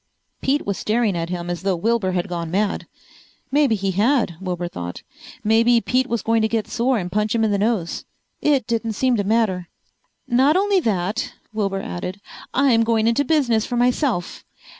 Pete was staring at him as though Wilbur had gone mad. Maybe he had, Wilbur thought. Maybe Pete was going to get sore and punch him in the nose. It didn't seem to matter. "Not only that," Wilbur added. "I'm going into business for myself.